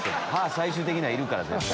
最終的にはいるから絶対。